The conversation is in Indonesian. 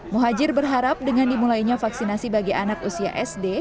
muhajir berharap dengan dimulainya vaksinasi bagi anak usia sd